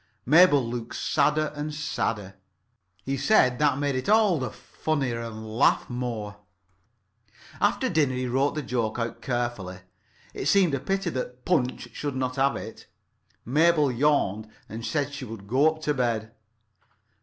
Mabel looked sadder and sadder. He said that made it all the funnier, and laughed more. After dinner he wrote the joke out carefully. It seemed a pity that Punch should not have it. Mabel yawned, and said she would go up to bed.